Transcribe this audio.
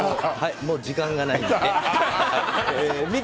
はい、もう時間がない。